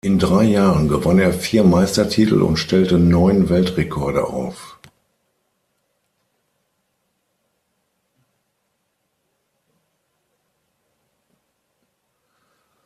In drei Jahren gewann er vier Meistertitel und stellte neun Weltrekorde auf.